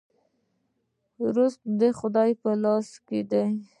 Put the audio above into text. رزق د خدای په لاس کې دی